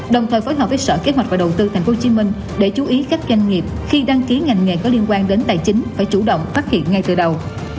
đồng thời phối hợp với sở kế hoạch và đầu tư tp hcm để chú ý các doanh nghiệp khi đăng ký ngành nghề có liên quan đến tài chính phải chủ động phát hiện ngay từ đầu